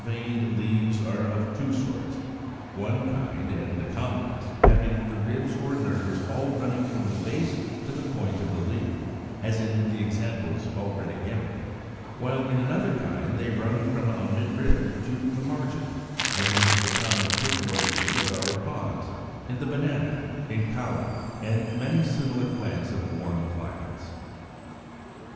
Parallel veined leaves are of two sorts, one kind, and the commonest, having the ribs or nerves all running from the base to the point of the leaf, as in the examples already given; while in another kind they run from a midrib to the margin, as in the common Pickerel weed of our ponds, in the Banana, in Calla (Fig. 114), and many similar plants of warm climates.